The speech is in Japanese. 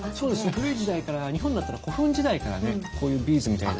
古い時代から日本だったらこういうビーズみたいな。